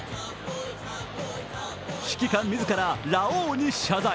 指揮官自らラオウに謝罪。